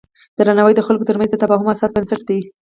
درناوی د خلکو ترمنځ د تفاهم اساسي بنسټ دی.